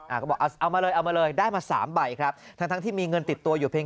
เอามาเลยเอามาเลยได้มา๓ใบครับทั้งที่มีเงินติดตัวอยู่เพียง